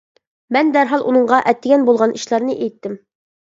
مەن دەرھال ئۇنىڭغا ئەتىگەن بولغان ئىشلارنى ئېيتتىم.